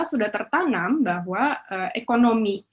sudah tertanam bahwa ekonomi